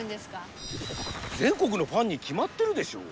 全国のファンにきまってるでしょう。